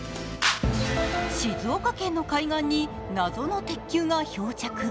静岡県の海岸に謎の鉄球が漂着。